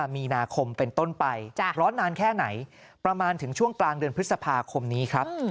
มีนาคมเป็นต้นไปร้อนนานแค่ไหนประมาณถึงช่วงกลางเดือนพฤษภาคมนี้ครับ